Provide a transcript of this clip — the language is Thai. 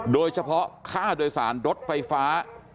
โดยเฉพาะค่าโดยสารรถไฟฟ้า